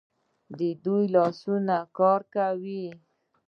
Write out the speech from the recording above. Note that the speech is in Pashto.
د دوی لاسونه کار کوي.